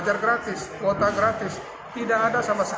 dapat ny declarasi karakteriskian dan diperbaiki kekuasaan